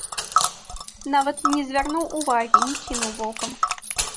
Нават не звярнуў увагі, не кінуў вокам.